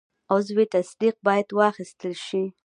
عضوي تصدیق باید واخیستل شي.